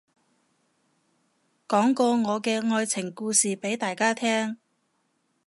講個我嘅愛情故事俾大家聽